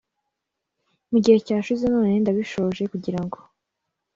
mu gihe cyashize none ndabishohoje kugira ngo